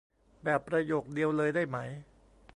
แบบประโยคเดียวเลยได้ไหม